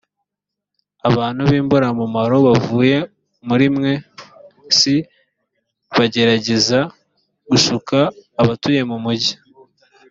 abantu b imburamumaro bavuye muri mwe cbakagerageza gushuka abatuye mu mugi